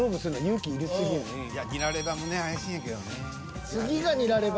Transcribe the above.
ニラレバもね怪しいけどね。